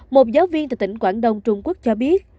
một giáo viên từ tỉnh quảng đông trung quốc cho biết